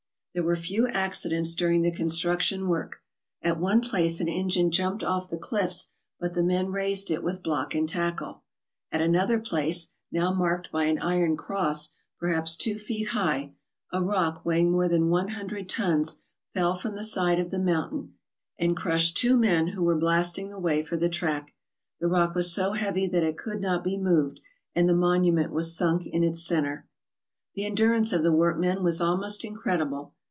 There were few accidents during the construction work. At one place an engine jumped over the cliffs, but the men raised it with block and tackle. At another place, now marked by an iron cross perhaps two feet high, a rock weighing more than one hundred tons fell from the side of the mountain and crushed two men who were blasting the way for the track. The rock was so heavy that it could not be moved, and the monument was sunk in its centre. The endurance of the workmen was almost incredible.